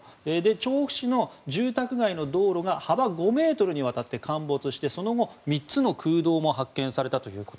調布市の住宅街の道路が幅５ｍにわたって陥没してその後３つの空洞も発見された。